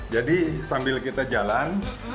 jadi sambil kita jalan